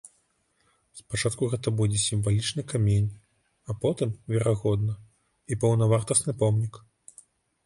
Спачатку гэта будзе сімвалічны камень, а потым, верагодна, і паўнавартасны помнік.